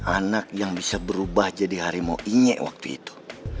anak yang bisa berubah jadi harimau inyek waktu itu